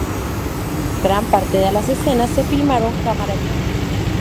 Gran parte de las escenas se filmaron cámara en mano.